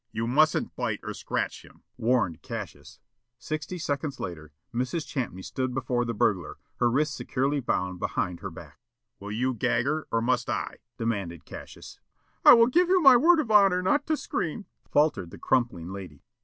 "You mustn't bite or scratch him," warned Cassius. Sixty seconds later, Mrs. Champney stood before the burglar, her wrists securely bound behind her back. "Will you gag her, or must I?" demanded Cassius. "I will give you my word of honor not to scream," faltered the crumpling lady.